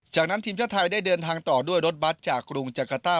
จากนั้นทีมชาติไทยได้เดินทางต่อด้วยรถบัตรจากกรุงจักรต้า